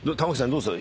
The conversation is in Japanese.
どうですか？